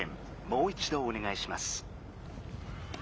もう一どおねがいします」。